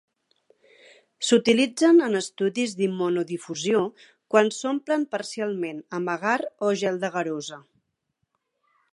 S'utilitzen en estudis d'immunodifusió quan s'omplen parcialment amb agar o gel d'agarosa.